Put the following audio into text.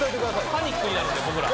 パニックになるんで僕ら。